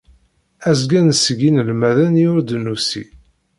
Azgen seg inelmaden i ur d-nusi.